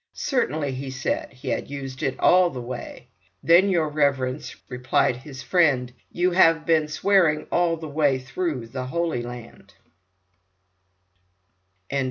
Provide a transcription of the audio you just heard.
Certainly, he said, he had used it all the way. "Then, your reverence," replied his friend, "you have been swearing all the way through the Holy Land."